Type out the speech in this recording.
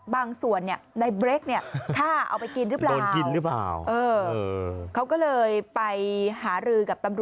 บางส่วนในเบรกเนี่ยท่าเอาไปกินรึเปล่า